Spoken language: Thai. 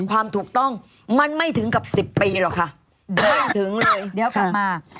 ความถูกต้องมันไม่ถึงกับสิบปีหรอกค่ะไม่ถึงเลยเดี๋ยวกลับมา